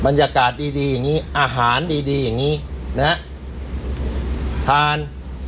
บรรยากาศดีดีอย่างงี้อาหารดีดีอย่างงี้นะฮะทาน